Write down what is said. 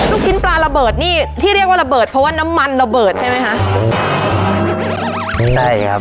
ลูกชิ้นปลาระเบิดนี่ที่เรียกว่าระเบิดเพราะว่าน้ำมันระเบิดใช่ไหมคะ